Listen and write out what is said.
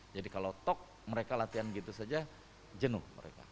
jadi kalau tok mereka latihan gitu saja jenuh mereka